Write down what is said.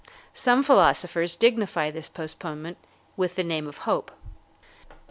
Some philosophers dignify this postponement with the name of hope.